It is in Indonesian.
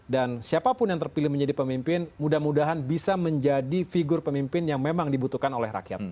dan siapapun yang terpilih menjadi pemimpin mudah mudahan bisa menjadi figur pemimpin yang memang dibutuhkan oleh mereka